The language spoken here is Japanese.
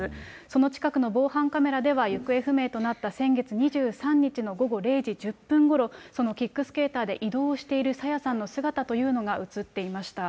その近くの防犯カメラでは、行方不明となった先月２３日の午後０時１０分ごろ、そのキックスケーターで移動している朝芽さんの姿というのが写っていました。